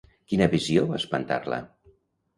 Quina visió va espantar-la?